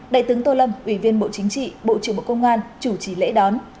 đại tướng tô lâm ủy viên bộ chính trị bộ trưởng bộ công an chủ trì lễ đón